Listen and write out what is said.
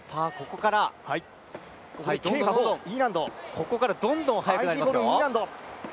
ここから、どんどん速くなりますよ。